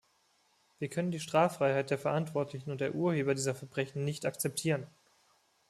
Wir können die Straffreiheit der Verantwortlichen und der Urheber dieser Verbrechen nicht akzeptieren.